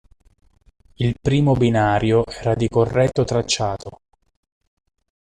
Il primo binario era di corretto tracciato.